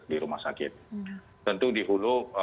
di rumah sakit tentu di hulu